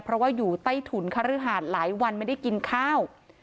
เพราะว่าอยู่ใต้ถุนคฤหาดหลายวันไม่ได้กินข้าว